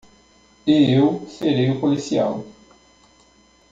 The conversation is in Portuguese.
E eu serei o policial.